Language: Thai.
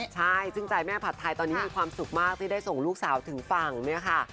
ใช่ซึ่งใจแม่ผัดไทยตอนนี้มีความสุขมากที่ได้ส่งลูกสาวถึงฝั่งเนี่ยค่ะ